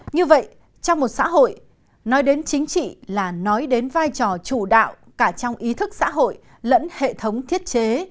như vậy trong một xã hội nói đến chính trị là nói đến vai trò chủ đạo cả trong ý thức xã hội lẫn hệ thống thiết chế